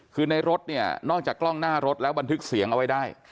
คือในรถเนี่ยนอกจากกล้องหน้ารถแล้วบันทึกเสียงเอาไว้ได้